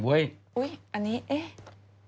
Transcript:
อุ๊ยอันนี้เอ๊ะ